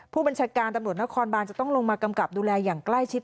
ผู้บัญชาการตำรวจนครบานจะต้องลงมากำกับดูแลอย่างใกล้ชิด